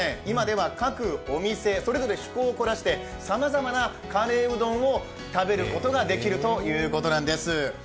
今では各お店、それぞれ趣向を凝らしてさまざまなカレーうどんを食べることができるということなんです。